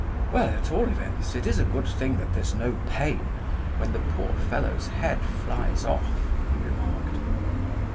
"Well, at all events it is a good thing that there's no pain when the poor fellow's head flies off," he remarked.